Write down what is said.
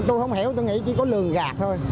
tôi không hiểu tôi nghĩ chỉ có lường gạt thôi